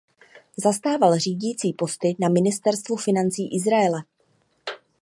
Zastával řídící posty na ministerstvu financí Izraele.